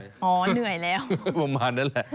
อ๋อเหนื่อยแล้วประมาณนั้นแหละ